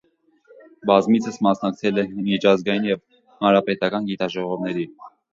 Բազմիցս մասնակցել է միջազգային և հանրապետական գիտաժողովների։